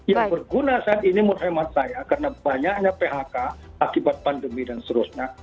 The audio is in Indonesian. yang berguna saat ini menurut hemat saya karena banyaknya phk akibat pandemi dan seterusnya